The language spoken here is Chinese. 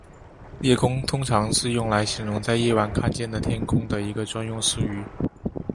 夜空通常是用来形容在夜晚看见的天空的一个专用术语。